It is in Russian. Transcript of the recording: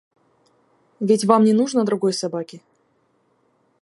Ведь вам не нужно другой собаки?